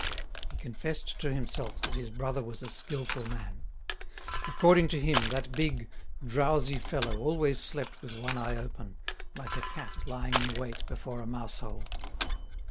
He confessed to himself that his brother was a skilful man. According to him, that big, drowsy fellow always slept with one eye open, like a cat lying in wait before a mouse hole.